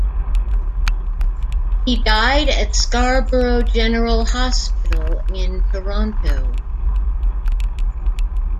He died at Scarborough General Hospital in Toronto.